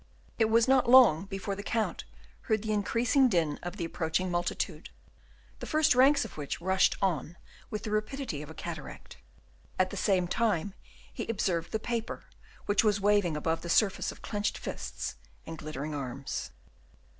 It was not long before the Count heard the increasing din of the approaching multitude, the first ranks of which rushed on with the rapidity of a cataract. At the same time he observed the paper, which was waving above the surface of clenched fists and glittering arms.